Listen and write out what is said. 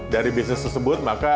dari bisnis tersebut maka